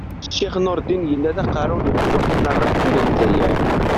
Ccix Nurdin yella d aqerru n lǧuq n rradyu n Lezzayer.